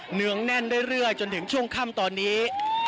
เหนืองแน่นเรื่อยจนถึงช่วงค่ำตอนนี้